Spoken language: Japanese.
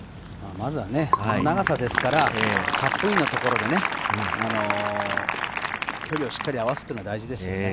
まずはこの長さですから、カップインのところで距離をしっかり合わすというのは大事ですね。